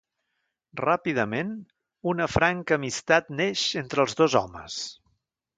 Ràpidament, una franca amistat neix entre els dos homes.